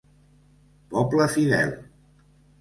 Poble fidel!